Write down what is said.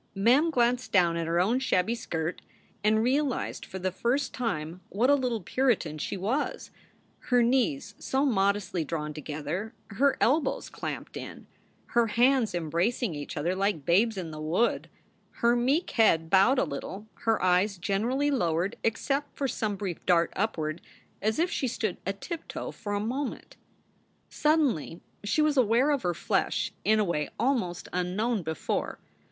Mem glanced down at her own shabby skirt, and realized 6o SOULS FOR SALE for the first time what a little Puritan she was her knees so modestly drawn together, her elbows clamped in, her hands embracing each other like Babes in the Wood, her meek head bowed a little, her eyes generally lowered except for some brief dart upward as if she stood atiptoe for a moment. Suddenly she was aware of her flesh in a way almost unknown before.